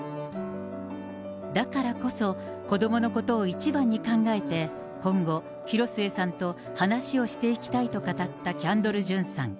だからこそ、子どものことを一番に考えて、今後、広末さんと話をしていきたいと語ったキャンドル・ジュンさん。